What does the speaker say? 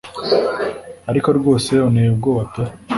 ariko rwose unteye ubwoba pe